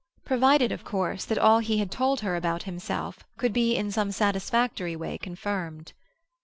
Provided, of course, that all he had told her about himself could be in some satisfactory way confirmed.